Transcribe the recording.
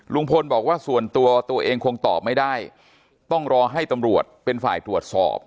ลุงพลบอกว่าส่วนตัวตัวเองคงตอบไม่ได้ต้องรอให้ตำรวจเป็นฝ่ายตรวจสอบ